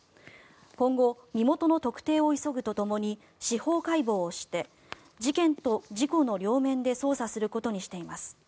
今後、身元の特定を急ぐとともに司法解剖をして事件と事故の両面で捜査することにしています。